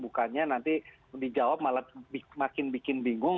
bukannya nanti dijawab malah makin bikin bingung